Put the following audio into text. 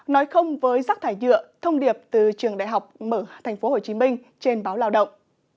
nói không với rác thải nhựa thông điệp từ trường đại học mở tp hcm trên báo lao động